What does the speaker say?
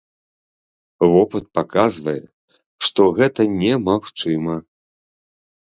Вопыт паказвае, што гэта немагчыма.